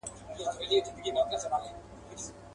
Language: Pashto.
ما خو ستا څخه څو ځله اورېدلي.